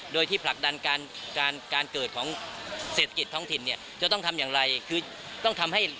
โดยที่ผลักดันการเกิดของเศรษฐกิจท้องถิ่น